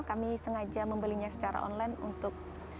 kami sengaja membelinya secara online untuk